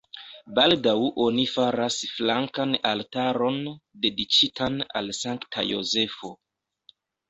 Baldaŭ oni faras flankan altaron dediĉitan al Sankta Jozefo.